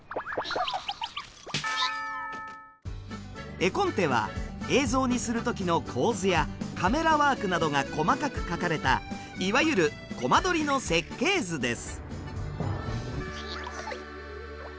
絵コンテは映像にする時の構図やカメラワークなどが細かく書かれたいわゆるコマ撮りの設計図です。